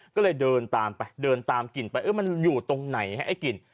ก็เลยเดินตามไปเดินตามกลิ่นไปเออมันอยู่ตรงไหนไอ้กลิ่น